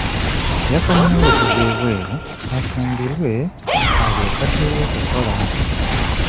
Yakomyewo okuva ebweru afumbirwe alyoke addeyo okukola.